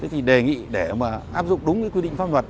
thì đề nghị để mà áp dụng đúng cái quy định pháp luật